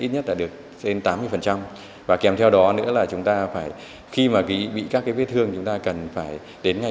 ít nhất là được trên tám mươi và kèm theo đó nữa là khi bị các vết thương chúng ta cần phải đến ngay